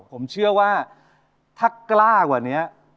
ผมเชื่อว่าถ้ากล้ากว่านี้